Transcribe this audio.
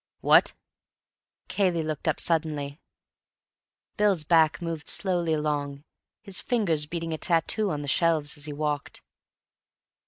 "What?" Cayley looked up suddenly. Bill's back moved slowly along, his fingers beating a tattoo on the shelves as he walked.